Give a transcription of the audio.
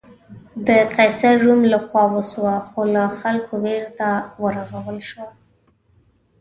د قیصر روم له خوا وسوه، خو له خلکو بېرته ورغول شوه.